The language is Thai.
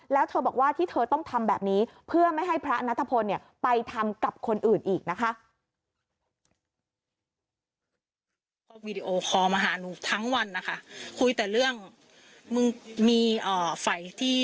แล้วเธอบอกว่าที่เธอต้องทำแบบนี้เพื่อไม่ให้พระนัทพลไปทำกับคนอื่นอีกนะคะ